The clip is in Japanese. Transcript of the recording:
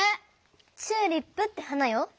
チューリップって花よ。